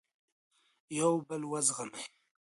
یو بل وزغمئ.